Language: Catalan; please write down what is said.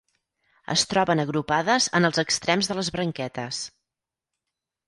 Es troben agrupades en els extrems de les branquetes.